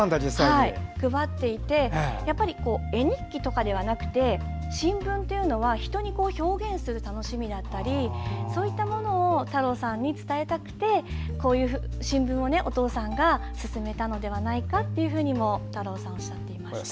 配っていて絵日記とかではなくて新聞というのは人に表現する楽しみだったりそういったものを太郎さんに伝えたくてこういう新聞をお父さんが勧めたのではないかって太郎さんはおっしゃっていました。